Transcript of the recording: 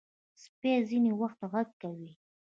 سپي ځینې وخت غږ کوي.